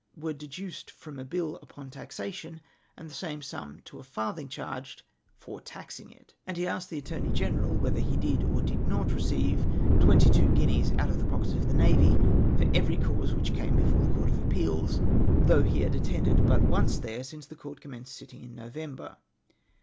were deducted from a bill upon taxation, and the same sum to a farthing charged for taxing it ; and he asked the attorney general, whether he did, or did not, re ceive twenty two guineas out of the pockets of the navy for every cause which came before the Court of Appeals, though he had attended but once there since the court commenced sitting in November.